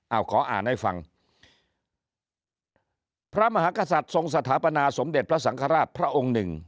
เอาขออ่านให้ฟังพระมหากษัตริย์ทรงสถาปนาสมเด็จพระสังฆราชพระองค์หนึ่ง